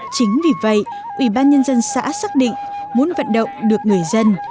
chính vì vậy ủy ban nhân dân xã xác định muốn vận động được người dân